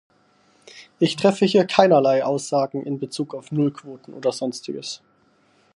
Ich treffe hier keinerlei Aussage in Bezug auf Nullquoten oder Sonstiges.